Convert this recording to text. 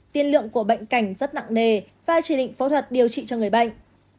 tiên lượng của bệnh cảnh rất nặng nề và chỉ định phẫu thuật điều trị cho người bệnh